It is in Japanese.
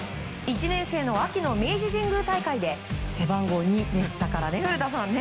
１年生の秋の明治神宮大会で背番号２でしたからね古田さん。